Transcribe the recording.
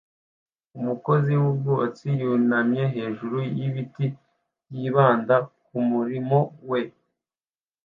Umukozi wubwubatsi yunamye hejuru yibiti byibanda kumurimo we